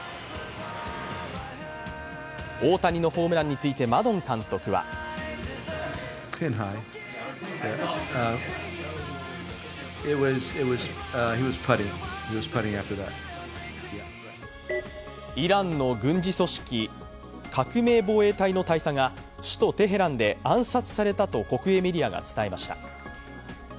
大谷のホームランについてマドン監督はイランの軍事組織、革命防衛隊の大佐が首都テヘランで暗殺されたと国営メディアが伝えました。